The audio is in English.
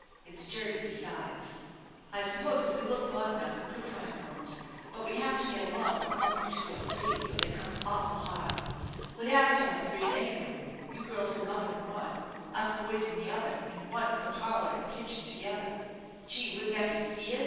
It's dirty besides. I suppose if we look long enough we could find rooms ; but we'd have to get along with only two or three, for they come awful high. We'd have to have three anyway, you girls and mother in one, us boys in the other, and one for parlor and kitchen together. Gee ! Wouldn't that be fierce